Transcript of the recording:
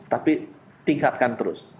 tapi tingkatkan terus